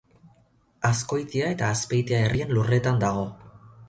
Azkoitia eta Azpeitia herrien lurretan dago.